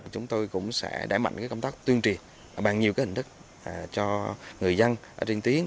chúng tôi cũng sẽ đẩy mạnh công tác tuyên truyền bằng nhiều hình thức cho người dân trên tiếng